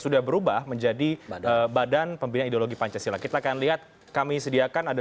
sudah berubah menjadi badan pembinaan ideologi pancasila kita akan lihat kami sediakan ada